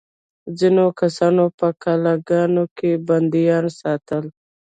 ځینو کسانو په قلعه ګانو کې بندیان ساتل.